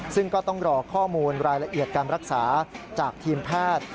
ซึ่งก็ต้องรอข้อมูลรายละเอียดการรักษาจากทีมแพทย์